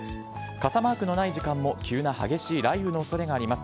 傘マークのない時間帯も急な激しい雷雨のおそれがあります。